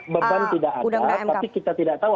beban tidak ada tapi kita tidak tahu